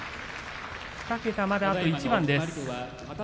２桁まで、あと一番です。